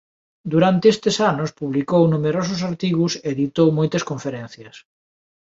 Durante estes anos publicou numerosos artigos e ditou moitas conferencias.